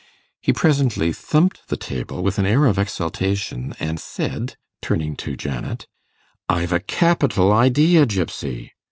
He presently thumped the table with an air of exultation, and, said turning to Janet, 'I've a capital idea, Gypsy!